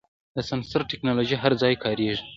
د سنسر ټکنالوژي هر ځای کارېږي.